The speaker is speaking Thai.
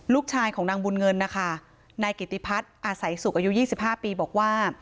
ลูกชายของนางบุญเงินนะคะนายกิติพัฒน์อาศัยสุขอายุ๒๕ปีบอกว่า